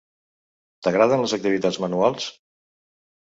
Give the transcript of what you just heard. T'agraden les activitats manuals?